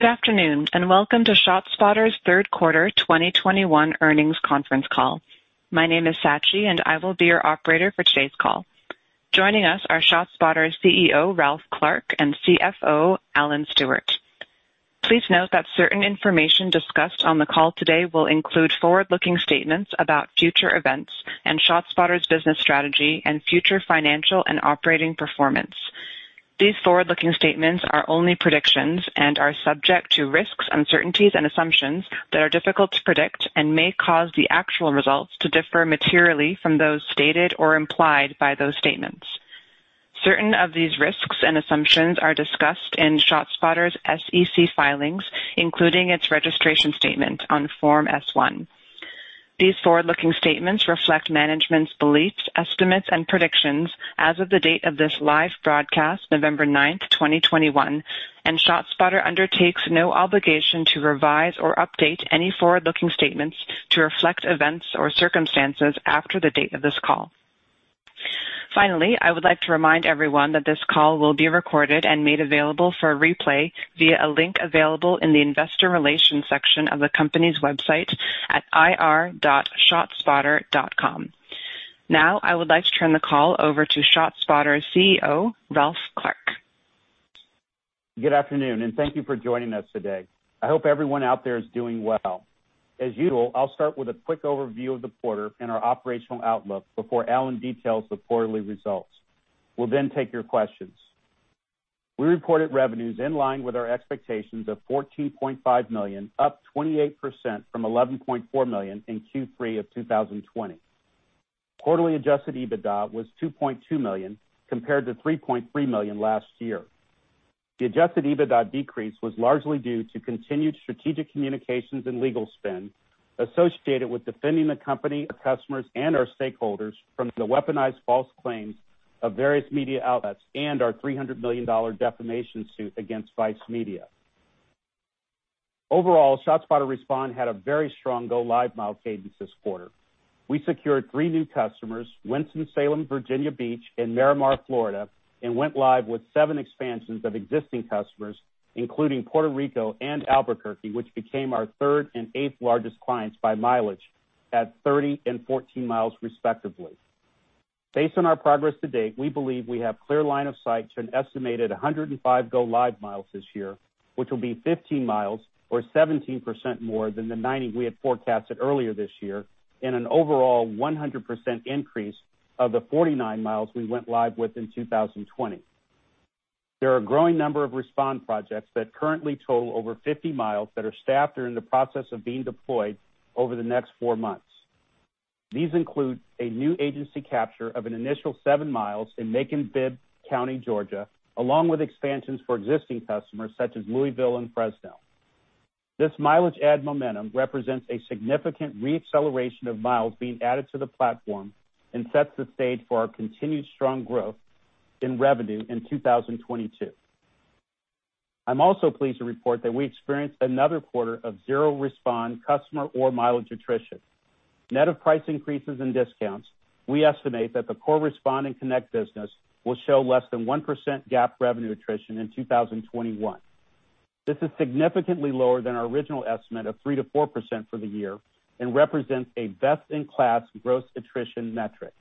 Good afternoon, and welcome to ShotSpotter's third quarter 2021 earnings conference call. My name is Sachi, and I will be your operator for today's call. Joining us are ShotSpotter's CEO, Ralph Clark, and CFO, Alan Stewart. Please note that certain information discussed on the call today will include forward-looking statements about future events and ShotSpotter's business strategy and future financial and operating performance. These forward-looking statements are only predictions and are subject to risks, uncertainties, and assumptions that are difficult to predict and may cause the actual results to differ materially from those stated or implied by those statements. Certain of these risks and assumptions are discussed in ShotSpotter's SEC filings, including its registration statement on Form S-1. These forward-looking statements reflect management's beliefs, estimates, and predictions as of the date of this live broadcast, November 9, 2021, and ShotSpotter undertakes no obligation to revise or update any forward-looking statements to reflect events or circumstances after the date of this call. Finally, I would like to remind everyone that this call will be recorded and made available for replay via a link available in the investor relations section of the company's website at ir.shotspotter.com. Now, I would like to turn the call over to ShotSpotter's CEO, Ralph Clark. Good afternoon, and thank you for joining us today. I hope everyone out there is doing well. As usual, I'll start with a quick overview of the quarter and our operational outlook before Alan details the quarterly results. We'll then take your questions. We reported revenues in line with our expectations of $14.5 million, up 28% from $11.4 million in Q3 of 2020. Quarterly adjusted EBITDA was $2.2 million, compared to $3.3 million last year. The adjusted EBITDA decrease was largely due to continued strategic communications and legal spend associated with defending the company, our customers, and our stakeholders from the weaponized false claims of various media outlets and our $300 million defamation suit against VICE Media. Overall, ShotSpotter Respond had a very strong go-live milestone cadence this quarter. We secured 3 new customers, Winston-Salem, Virginia Beach, and Miramar, Florida, and went live with Seven expansions of existing customers, including Puerto Rico and Albuquerque, which became our third and eighth largest clients by mileage at 30 and 14 miles, respectively. Based on our progress to date, we believe we have clear line of sight to an estimated 105 go live miles this year, which will be 15 miles or 17% more than the 90 we had forecasted earlier this year, and an overall 100% increase of the 49 mi we went live with in 2020. There are a growing number of Respond projects that currently total over 50 mi that are staffed or in the process of being deployed over the next four months. These include a new agency capture of an initial 7 mi in Macon-Bibb County, Georgia, along with expansions for existing customers such as Louisville and Fresno. This mileage add momentum represents a significant re-acceleration of miles being added to the platform and sets the stage for our continued strong growth in revenue in 2022. I'm also pleased to report that we experienced another quarter of zero Respond customer or mileage attrition. Net of price increases and discounts, we estimate that the core Respond and Connect business will show less than 1% GAAP revenue attrition in 2021. This is significantly lower than our original estimate of 3%-4% for the year and represents a best-in-class gross attrition metric.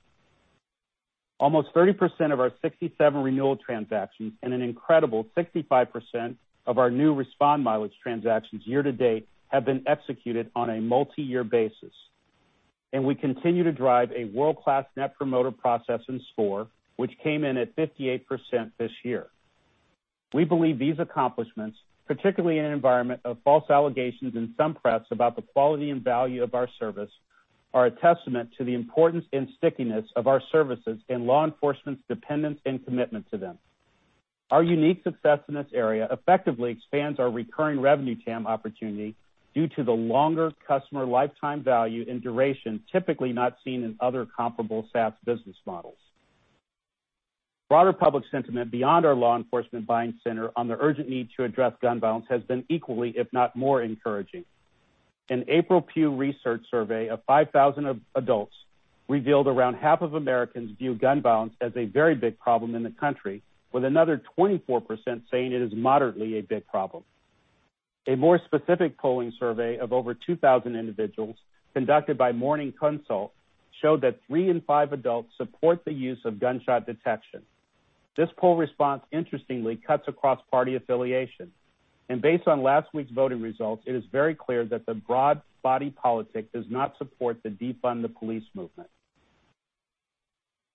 Almost 30% of our 67 renewal transactions and an incredible 65% of our new Respond mileage transactions year to date have been executed on a multiyear basis. We continue to drive a world-class Net Promoter process and score, which came in at 58% this year. We believe these accomplishments, particularly in an environment of false allegations in some press about the quality and value of our service, are a testament to the importance and stickiness of our services and law enforcement's dependence and commitment to them. Our unique success in this area effectively expands our recurring revenue TAM opportunity due to the longer customer lifetime value and duration typically not seen in other comparable SaaS business models. Broader public sentiment beyond our law enforcement buying center on the urgent need to address gun violence has been equally, if not more encouraging. An April Pew Research survey of 5,000 adults revealed around half of Americans view gun violence as a very big problem in the country, with another 24% saying it is moderately a big problem. A more specific polling survey of over 2,000 individuals conducted by Morning Consult showed that three in five adults support the use of gunshot detection. This poll response interestingly cuts across party affiliation. Based on last week's voting results, it is very clear that the broad body politic does not support the defund the police movement.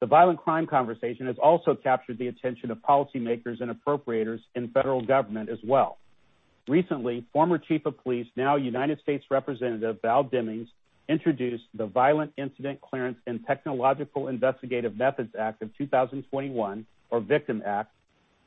The violent crime conversation has also captured the attention of policymakers and appropriators in federal government as well. Recently, former chief of police, now U.S. Representative Val Demings, introduced the Violent Incident Clearance and Technological Investigative Methods Act of 2021, or VICTIM Act,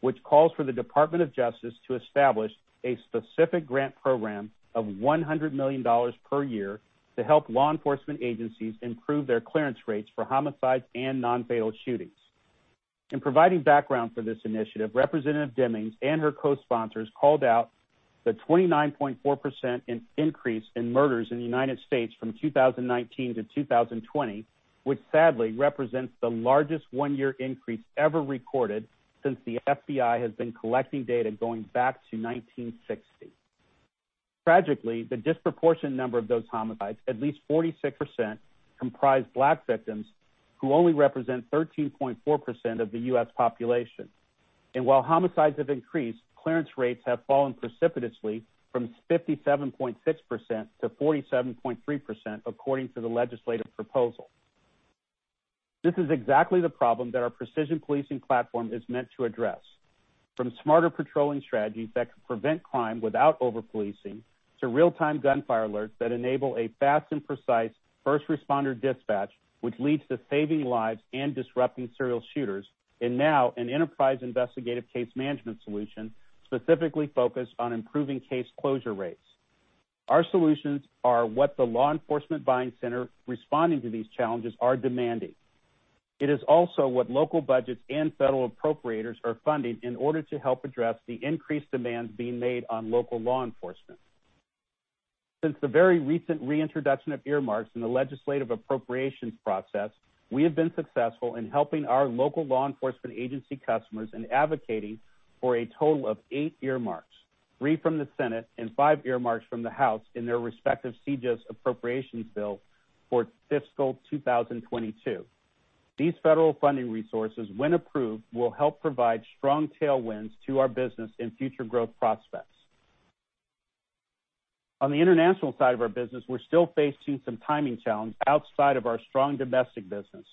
which calls for the Department of Justice to establish a specific grant program of $100 million per year to help law enforcement agencies improve their clearance rates for homicides and non-fatal shootings. In providing background for this initiative, Representative Demings and her co-sponsors called out the 29.4% increase in murders in the United States from 2019 to 2020, which sadly represents the largest one-year increase ever recorded since the FBI has been collecting data going back to 1960. Tragically, the disproportionate number of those homicides, at least 46%, comprise Black victims who only represent 13.4% of the U.S. population. While homicides have increased, clearance rates have fallen precipitously from 57.6%-47.3% according to the legislative proposal. This is exactly the problem that our precision policing platform is meant to address. From smarter patrolling strategies that could prevent crime without over-policing, to real-time gunfire alerts that enable a fast and precise first responder dispatch, which leads to saving lives and disrupting serial shooters, and now an enterprise investigative case management solution specifically focused on improving case closure rates. Our solutions are what the law enforcement buying center responding to these challenges are demanding. It is also what local budgets and federal appropriators are funding in order to help address the increased demands being made on local law enforcement. Since the very recent reintroduction of earmarks in the legislative appropriations process, we have been successful in helping our local law enforcement agency customers in advocating for a total of eight earmarks, three from the Senate and five earmarks from the House in their respective CJS Appropriations Bill for fiscal 2022. These federal funding resources, when approved, will help provide strong tailwinds to our business and future growth prospects. On the international side of our business, we're still facing some timing challenges outside of our strong domestic business.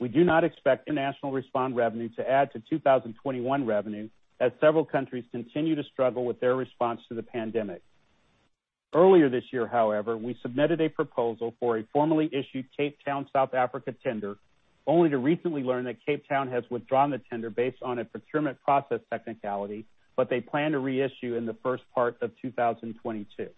We do not expect international Respond revenue to add to 2021 revenue, as several countries continue to struggle with their response to the pandemic. Earlier this year, however, we submitted a proposal for a formerly issued Cape Town, South Africa tender, only to recently learn that Cape Town has withdrawn the tender based on a procurement process technicality, but they plan to reissue in the first part of 2022.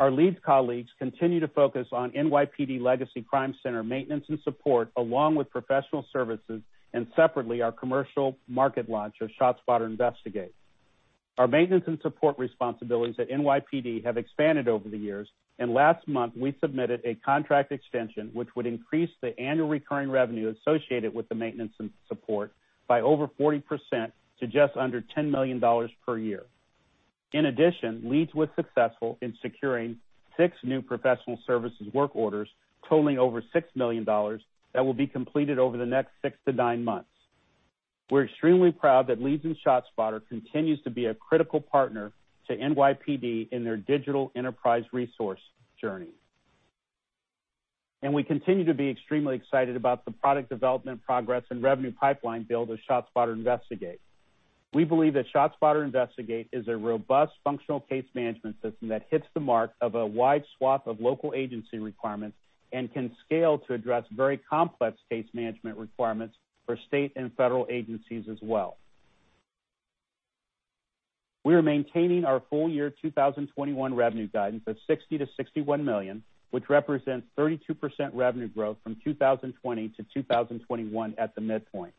Our LEEDS colleagues continue to focus on NYPD Legacy Crime Center maintenance and support, along with professional services, and separately, our commercial market launch of ShotSpotter Investigate. Our maintenance and support responsibilities at NYPD have expanded over the years, and last month, we submitted a contract extension, which would increase the annual recurring revenue associated with the maintenance and support by over 40% to just under $10 million per year. In addition, LEEDS was successful in securing six new professional services work orders totaling over $6 million that will be completed over the next six-nine months. We're extremely proud that LEEDS and ShotSpotter continues to be a critical partner to NYPD in their digital enterprise resource journey. We continue to be extremely excited about the product development progress and revenue pipeline build of ShotSpotter Investigate. We believe that ShotSpotter Investigate is a robust functional case management system that hits the mark of a wide swath of local agency requirements and can scale to address very complex case management requirements for state and federal agencies as well. We are maintaining our full year 2021 revenue guidance of $60 million-$61 million, which represents 32% revenue growth from 2020-2021 at the midpoint.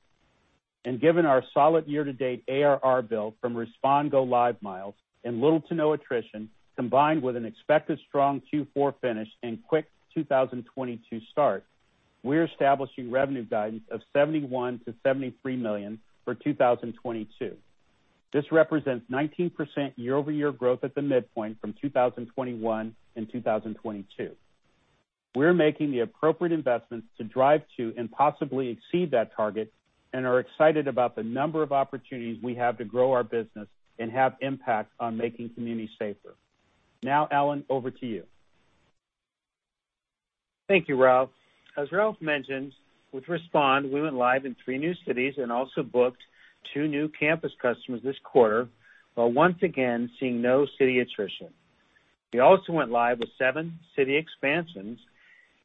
Given our solid year-to-date ARR build from Respond go-lives and little to no attrition, combined with an expected strong Q4 finish and quick 2022 start, we're establishing revenue guidance of $71 million-$73 million for 2022. This represents 19% year-over-year growth at the midpoint from 2021-2022. We're making the appropriate investments to drive to and possibly exceed that target and are excited about the number of opportunities we have to grow our business and have impact on making communities safer. Now, Alan, over to you. Thank you, Ralph. As Ralph mentioned, with Respond, we went live in three new cities and also booked two new campus customers this quarter, while once again seeing no city attrition. We also went live with seven city expansions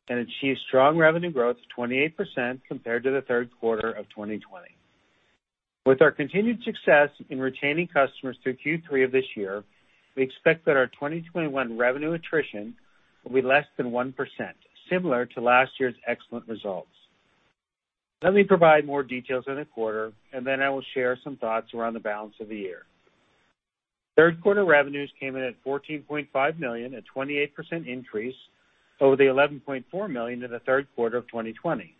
and achieved strong revenue growth of 28% compared to the third quarter of 2020. With our continued success in retaining customers through Q3 of this year, we expect that our 2021 revenue attrition will be less than 1%, similar to last year's excellent results. Let me provide more details on the quarter, and then I will share some thoughts around the balance of the year. Third quarter revenues came in at $14.5 million, a 28% increase over the $11.4 million in the third quarter of 2020.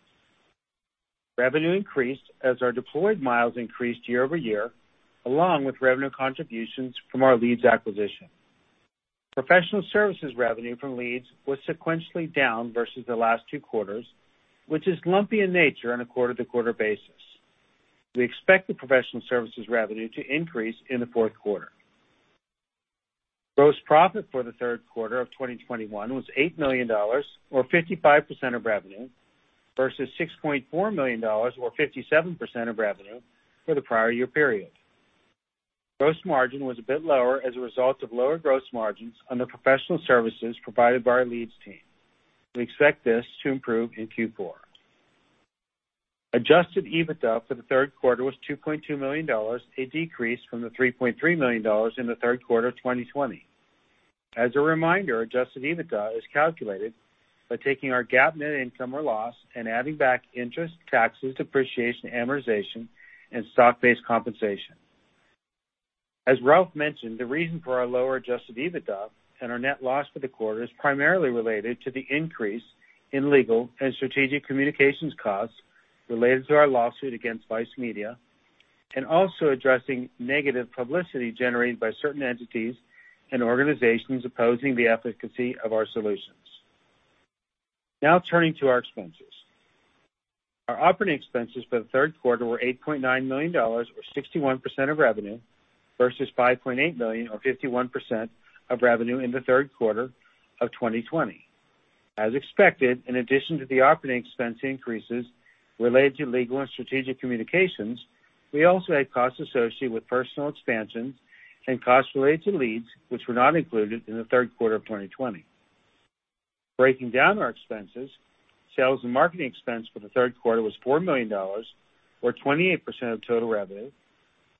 Revenue increased as our deployed miles increased year over year, along with revenue contributions from our LEEDS acquisition. Professional services revenue from LEEDS was sequentially down versus the last two quarters, which is lumpy in nature on a quarter-to-quarter basis. We expect the professional services revenue to increase in the fourth quarter. Gross profit for the third quarter of 2021 was $8 million or 55% of revenue versus $6.4 million or 57% of revenue for the prior year period. Gross margin was a bit lower as a result of lower gross margins on the professional services provided by our LEEDS team. We expect this to improve in Q4. Adjusted EBITDA for the third quarter was $2.2 million, a decrease from the $3.3 million in the third quarter of 2020. As a reminder, adjusted EBITDA is calculated by taking our GAAP net income or loss and adding back interest, taxes, depreciation, amortization, and stock-based compensation. As Ralph mentioned, the reason for our lower adjusted EBITDA and our net loss for the quarter is primarily related to the increase in legal and strategic communications costs related to our lawsuit against VICE Media, and also addressing negative publicity generated by certain entities and organizations opposing the efficacy of our solutions. Now turning to our expenses. Our operating expenses for the third quarter were $8.9 million, or 61% of revenue, versus $5.8 million, or 51% of revenue in the third quarter of 2020. As expected, in addition to the operating expense increases related to legal and strategic communications, we also had costs associated with personnel expansions and costs related to LEEDS which were not included in the third quarter of 2020. Breaking down our expenses, sales and marketing expense for the third quarter was $4 million, or 28% of total revenue,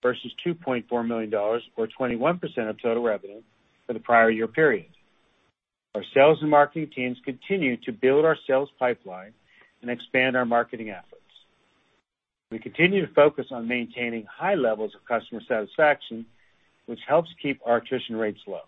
versus $2.4 million, or 21% of total revenue for the prior year period. Our sales and marketing teams continue to build our sales pipeline and expand our marketing efforts. We continue to focus on maintaining high levels of customer satisfaction, which helps keep our attrition rates low.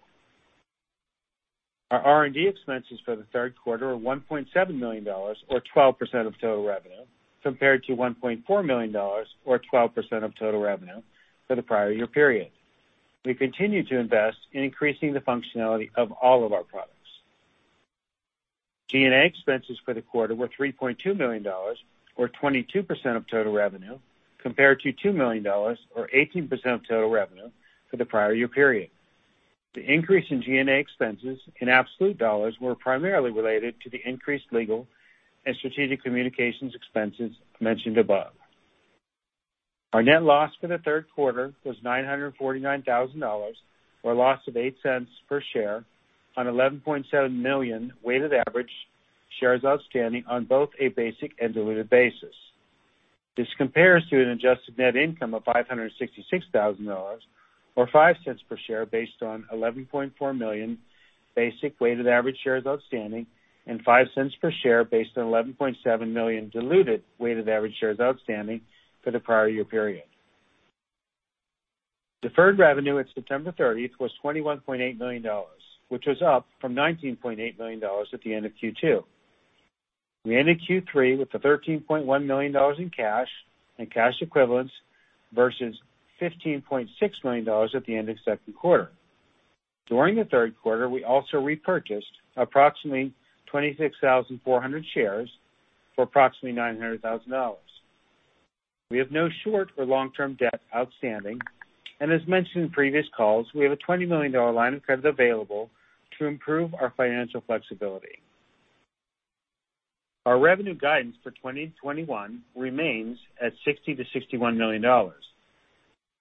Our R&D expenses for the third quarter are $1.7 million, or 12% of total revenue, compared to $1.4 million, or 12% of total revenue for the prior year period. We continue to invest in increasing the functionality of all of our products. G&A expenses for the quarter were $3.2 million, or 22% of total revenue, compared to $2 million, or 18% of total revenue for the prior year period. The increase in G&A expenses in absolute dollars were primarily related to the increased legal and strategic communications expenses mentioned above. Our net loss for the third quarters $949,000 or a loss of $0.08 per share on 11.7 million weighted average shares outstanding on both a basic and diluted basis. This compares to an adjusted net income of $566,000 or $0.05 per share based on 11.4 million basic weighted average shares outstanding and $0.05 per share based on 11.7 million diluted weighted average shares outstanding for the prior year period. Deferred revenue at September 30 was $21.8 million, which was up from $19.8 million at the end of Q2. We ended Q3 with $13.1 million in cash and cash equivalents versus $15.6 million at the end of second quarter. During the third quarter, we also repurchased approximately 26,400 shares for approximately $900,000. We have no short or long-term debt outstanding, and as mentioned in previous calls, we have a $20 million line of credit available to improve our financial flexibility. Our revenue guidance for 2021 remains at $60 million-$61 million.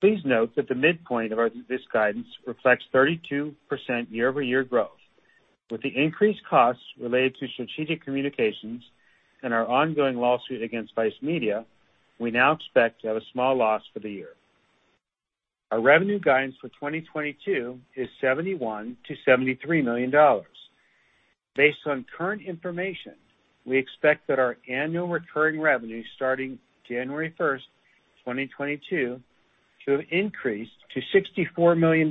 Please note that the midpoint of this guidance reflects 32% year-over-year growth. With the increased costs related to strategic communications and our ongoing lawsuit against VICE Media, we now expect to have a small loss for the year. Our revenue guidance for 2022 is $71 million-$73 million. Based on current information, we expect that our annual recurring revenue starting January 1, 2022, to have increased to $64 million,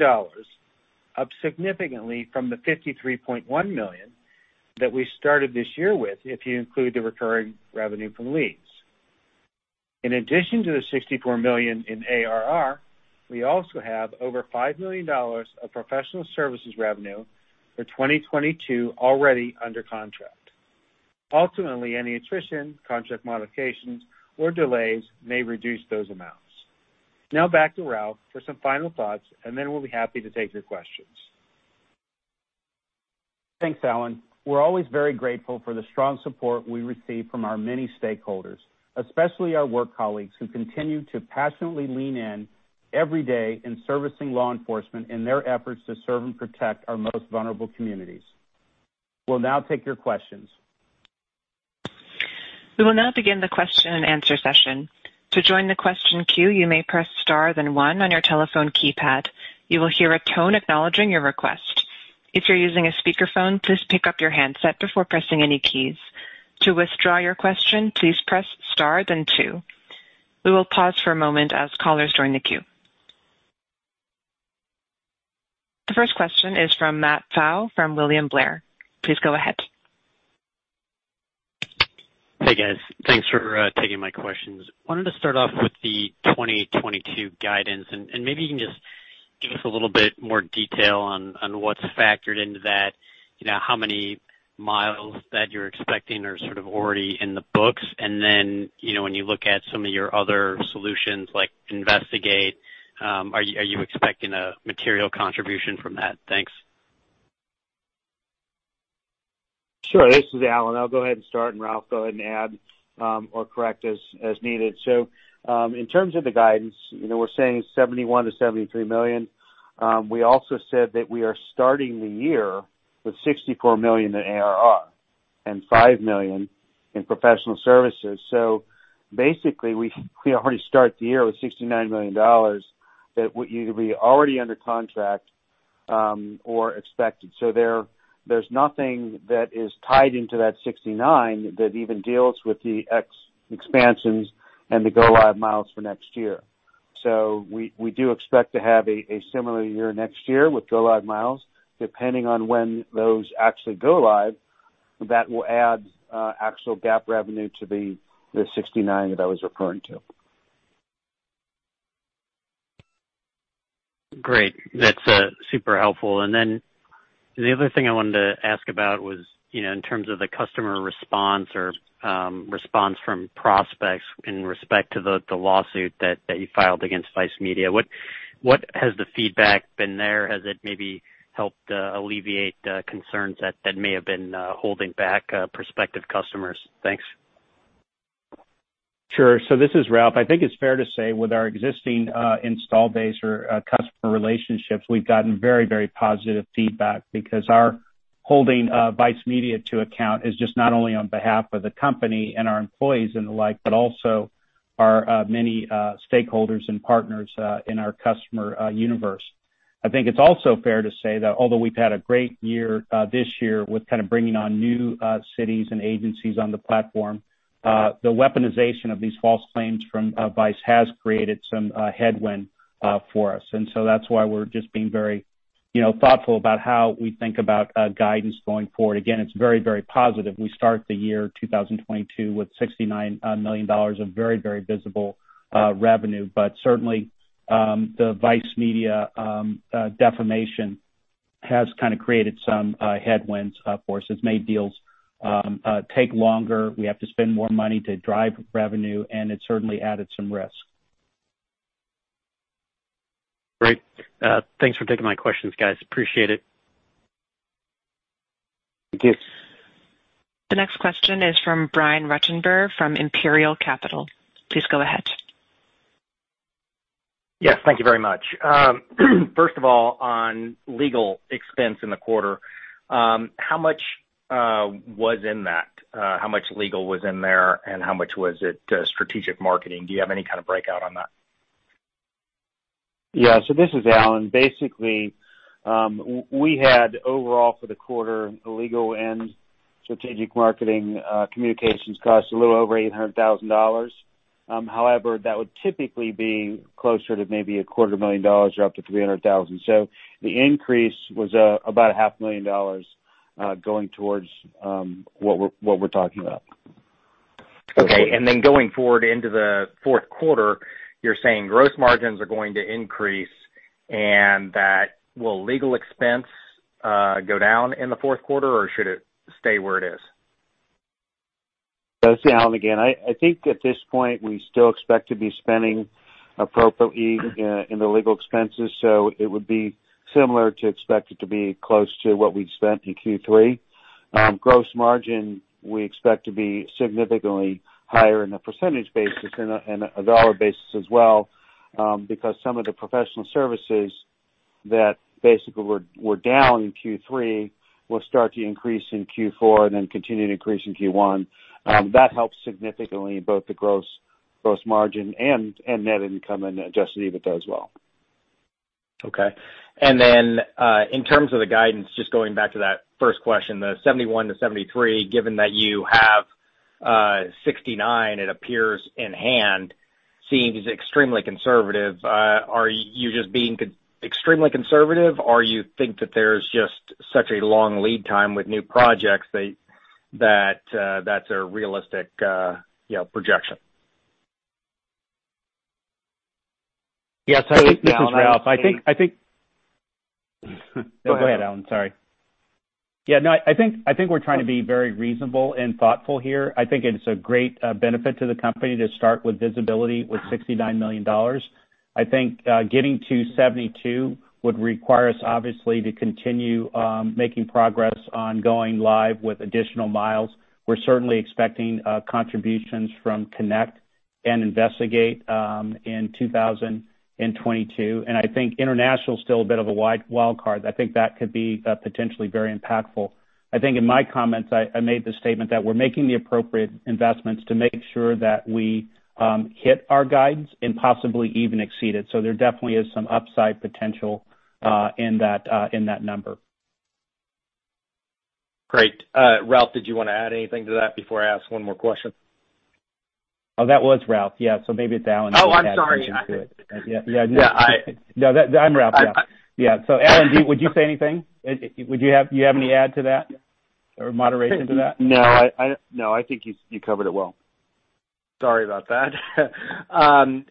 up significantly from the $53.1 million that we started this year with, if you include the recurring revenue from LEEDS. In addition to the $64 million in ARR, we also have over $5 million of professional services revenue for 2022 already under contract. Ultimately, any attrition, contract modifications, or delays may reduce those amounts. Now back to Ralph for some final thoughts, and then we'll be happy to take your questions. Thanks, Alan. We're always very grateful for the strong support we receive from our many stakeholders, especially our work colleagues who continue to passionately lean in every day in servicing law enforcement in their efforts to serve and protect our most vulnerable communities. We'll now take your questions. We will now begin the Q&A session. To join the question queue, you may press star then one on your telephone keypad. You will hear a tone acknowledging your request. If you're using a speakerphone, please pick up your handset before pressing any keys. To withdraw your question, please press star then two. We will pause for a moment as callers join the queue. The first question is from Matt Pfau from William Blair. Please go ahead. Hey, guys. Thanks for taking my questions. I wanted to start off with the 2022 guidance, and maybe you can just give us a little bit more detail on what's factored into that, you know, how many miles that you're expecting are sort of already in the books. Then, you know, when you look at some of your other solutions, like Investigate, are you expecting a material contribution from that? Thanks. Sure. This is Alan Stewart. I'll go ahead and start, and Ralph Clark go ahead and add, or correct as needed. In terms of the guidance, you know, we're saying $71 million-$73 million. We also said that we are starting the year with $64 million in ARR and $5 million in professional services. Basically, we already start the year with $69 million that would either be already under contract, or expected. There's nothing that is tied into that $69 million that even deals with the expansions and the go-live milestones for next year. We do expect to have a similar year next year with go-live milestones. Depending on when those actually go live, that will add actual GAAP revenue to the $69 that I was referring to. Great. That's super helpful. The other thing I wanted to ask about was, you know, in terms of the customer response or response from prospects in respect to the lawsuit that you filed against VICE Media. What has the feedback been there? Has it maybe helped alleviate concerns that may have been holding back prospective customers? Thanks. Sure. This is Ralph. I think it's fair to say with our existing installed base or customer relationships, we've gotten very, very positive feedback because our holding VICE Media to account is just not only on behalf of the company and our employees and the like, but also our many stakeholders and partners in our customer universe. I think it's also fair to say that although we've had a great year this year with kind of bringing on new cities and agencies on the platform, the weaponization of these false claims from VICE has created some headwind for us. That's why we're just being very, you know, thoughtful about how we think about guidance going forward. Again, it's very, very positive. We start the year 2022 with $69 million of very, very visible revenue. Certainly, the VICE Media defamation has kind of created some headwinds for us. It's made deals take longer. We have to spend more money to drive revenue, and it certainly added some risk. Great. Thanks for taking my questions, guys. Appreciate it. Thank you. The next question is from Brian Ruttenbur, from Imperial Capital. Please go ahead. Yes, thank you very much. First of all, on legal expense in the quarter, how much was in that? How much legal was in there, and how much was it strategic marketing? Do you have any kind of breakout on that? This is Alan. Basically, we had overall for the quarter, legal and strategic marketing, communications costs a little over $800,000. However, that would typically be closer to maybe a $250,000 or up to $300,000. The increase was about a $500,000, going towards what we're talking about. Okay. Then going forward into the fourth quarter, you're saying gross margins are going to increase, and that legal expense will go down in the fourth quarter, or should it stay where it is? It's Alan again. I think at this point, we still expect to be spending appropriately in the legal expenses. It would be similar to expect it to be close to what we'd spent in Q3. Gross margin, we expect to be significantly higher in a percentage basis and a dollar basis as well, because some of the professional services that basically were down in Q3 will start to increase in Q4 and then continue to increase in Q1. That helps significantly both the gross margin and net income and adjusted EBITDA as well. Okay. In terms of the guidance, just going back to that first question, the $71-$73, given that you have $69 in hand, seems extremely conservative. Are you just being extremely conservative, or you think that there's just such a long lead time with new projects that's a realistic, you know, projection? Yeah. So this is Ralph. Go ahead, Alan, sorry. Yeah, no, I think we're trying to be very reasonable and thoughtful here. I think it's a great benefit to the company to start with visibility with $69 million. I think getting to $72 million would require us, obviously, to continue making progress on going live with additional miles. We're certainly expecting contributions from Connect and Investigate in 2022, and I think international is still a bit of a wild card. I think that could be potentially very impactful. I think in my comments, I made the statement that we're making the appropriate investments to make sure that we hit our guidance and possibly even exceed it. There definitely is some upside potential in that number. Great. Ralph, did you wanna add anything to that before I ask one more question? Oh, that was Ralph. Yeah. Maybe it's Alan who can add to it. Oh, I'm sorry. I'm Ralph. Yeah. Alan, would you say anything? Do you have any add to that or moderation to that? No, I think you covered it well. Sorry about that.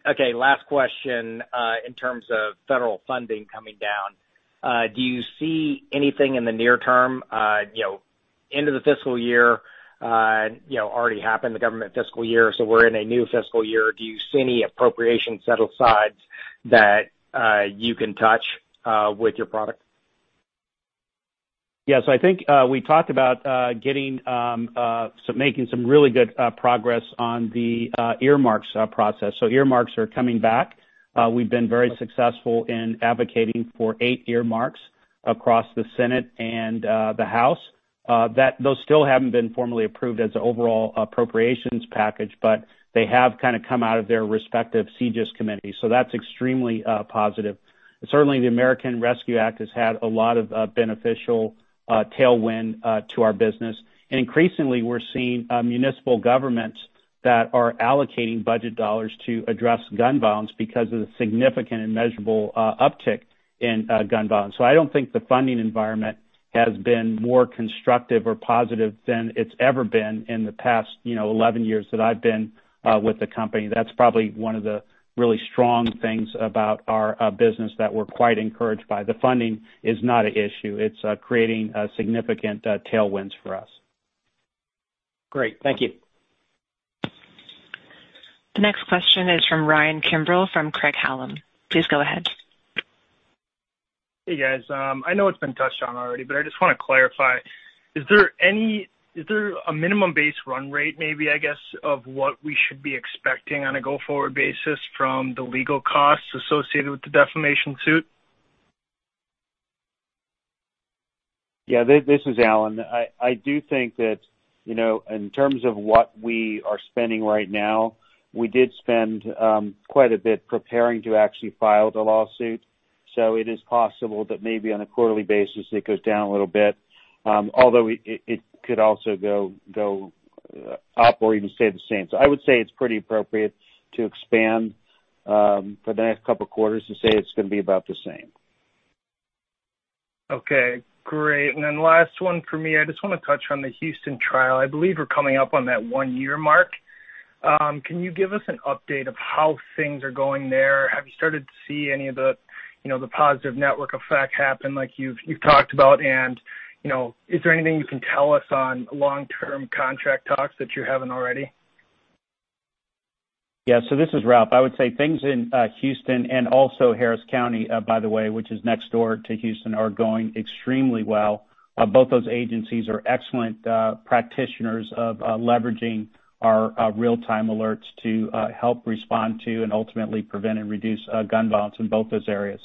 Okay, last question, in terms of federal funding coming down, do you see anything in the near term, end of the fiscal year already happened, the government fiscal year, so we're in a new fiscal year, do you see any appropriation set-asides that you can touch with your product? Yeah. I think we talked about getting some-- making some really good progress on the earmarks process. Earmarks are coming back. We've been very successful in advocating for eight earmarks across the Senate and the House. Those still haven't been formally approved as an overall appropriations package, but they have kind of come out of their respective CJS committee. That's extremely positive. Certainly, the American Rescue Act has had a lot of beneficial tailwind to our business. Increasingly, we're seeing municipal governments that are allocating budget dollars to address gun violence because of the significant and measurable uptick in gun violence. I don't think the funding environment has been more constructive or positive than it's ever been in the past, you know, 11 years that I've been with the company. That's probably one of the really strong things about our business that we're quite encouraged by. The funding is not an issue. It's creating significant tailwinds for us. Great. Thank you. The next question is from Ryan Kimbrel, from Craig-Hallum. Please go ahead. Hey, guys. I know it's been touched on already, but I just wanna clarify. Is there a minimum base run rate, maybe, I guess, of what we should be expecting on a go-forward basis from the legal costs associated with the defamation suit? Yeah. This is Alan. I do think that, you know, in terms of what we are spending right now, we did spend quite a bit preparing to actually file the lawsuit, so it is possible that maybe on a quarterly basis it goes down a little bit, although it could also go up or even stay the same. I would say it's pretty appropriate to expect for the next couple quarters to say it's gonna be about the same. Okay. Great. Last one for me. I just wanna touch on the Houston trial. I believe we're coming up on that one-year mark. Can you give us an update of how things are going there? Have you started to see any of the, you know, the positive network effect happen like you've talked about? You know, is there anything you can tell us on long-term contract talks that you haven't already? Yeah. This is Ralph. I would say things in Houston and also Harris County, by the way, which is next door to Houston, are going extremely well. Both those agencies are excellent practitioners of leveraging our real-time alerts to help respond to and ultimately prevent and reduce gun violence in both those areas.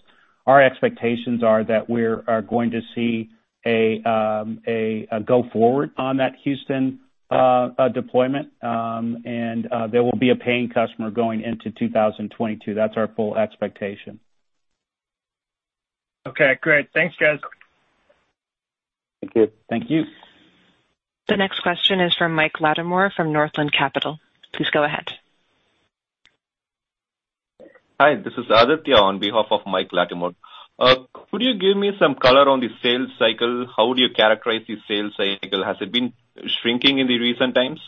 Our expectations are that we are going to see a go forward on that Houston deployment, and there will be a paying customer going into 2022. That's our full expectation. Okay. Great. Thanks, guys. Thank you. The next question is from Mike Latimore from Northland Capital. Please go ahead. Hi, this is Aditya on behalf of Mike Latimore. Could you give me some color on the sales cycle? How would you characterize the sales cycle? Has it been shrinking in the recent times?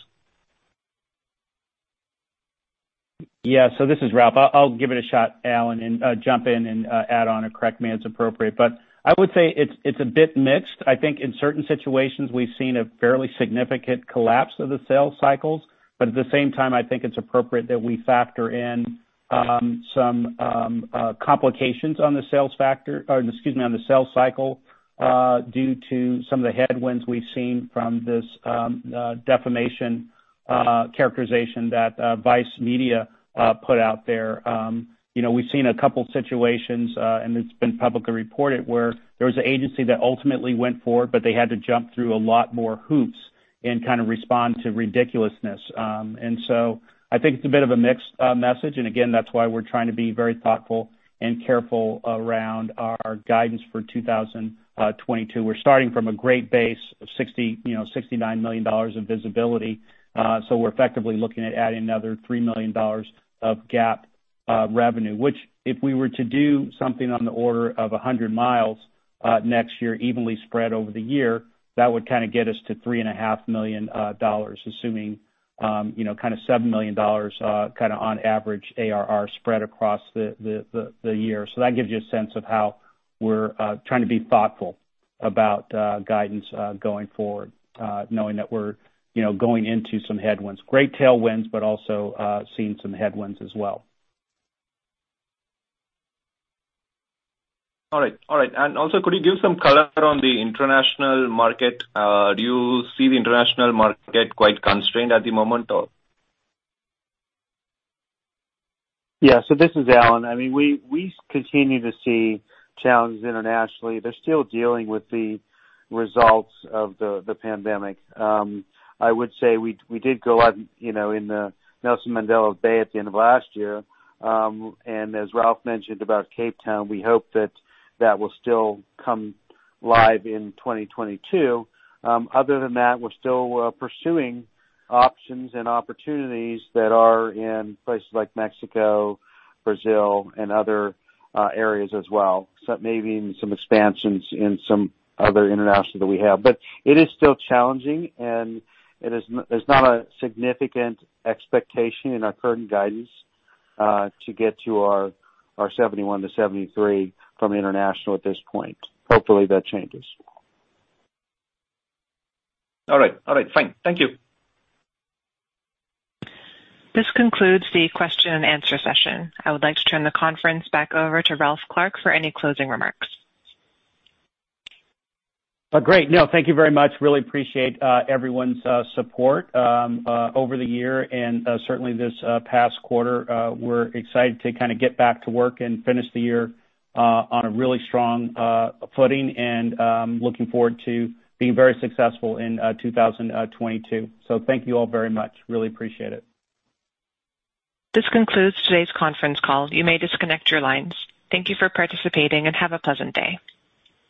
Yeah. This is Ralph. I'll give it a shot, Alan, and jump in and add on or correct me as appropriate. I would say it's a bit mixed. I think in certain situations we've seen a fairly significant collapse of the sales cycles, but at the same time I think it's appropriate that we factor in some complications on the sales cycle due to some of the headwinds we've seen from this defamation characterization that VICE Media put out there. You know, we've seen a couple situations and it's been publicly reported, where there was an agency that ultimately went forward, but they had to jump through a lot more hoops and kind of respond to ridiculousness. I think it's a bit of a mixed message, and again, that's why we're trying to be very thoughtful and careful around our guidance for 2022. We're starting from a great base of $69 million of visibility, so we're effectively looking at adding another $3 million of GAAP revenue, which, if we were to do something on the order of 100 mi next year, evenly spread over the year, that would kinda get us to $3.5 million, assuming, you know, kinda $7 million on average ARR spread across the year. That gives you a sense of how we're trying to be thoughtful about guidance going forward, knowing that we're, you know, going into some headwinds. Great tailwinds, but also, seeing some headwinds as well. All right. Also, could you give some color on the international market? Do you see the international market quite constrained at the moment or? This is Alan. I mean, we continue to see challenges internationally. They're still dealing with the results of the pandemic. I would say we did go out, you know, in the Nelson Mandela Bay at the end of last year. As Ralph mentioned about Cape Town, we hope that will still come live in 2022. Other than that, we're still pursuing options and opportunities that are in places like Mexico, Brazil and other areas as well. Maybe even some expansions in some other international that we have. It is still challenging, and there's not a significant expectation in our current guidance to get to our $71-$73 from international at this point. Hopefully, that changes. All right. Fine. Thank you. This concludes the question and answer session. I would like to turn the conference back over to Ralph Clark for any closing remarks. Great. No, thank you very much. I really appreciate everyone's support over the year and certainly this past quarter. We're excited to kinda get back to work and finish the year on a really strong footing and looking forward to being very successful in 2022. Thank you all very much. I really appreciate it. This concludes today's conference call. You may disconnect your lines. Thank you for participating and have a pleasant day.